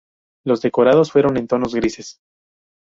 Los decorados fueron en tonos grises.